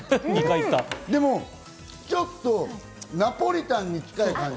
でもちょっとナポリタンに近い感じ。